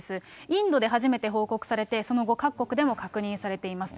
インドで初めて報告されて、その後、各国でも確認されています。